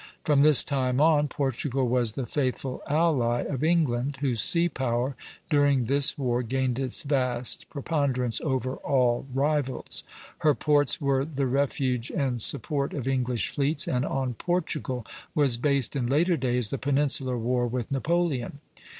From this time on, Portugal was the faithful ally of England, whose sea power during this war gained its vast preponderance over all rivals. Her ports were the refuge and support of English fleets, and on Portugal was based in later days the Peninsular war with Napoleon.